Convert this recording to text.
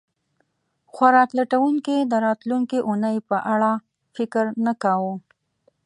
خوراک لټونکي د راتلونکې اوونۍ په اړه فکر نه کاوه.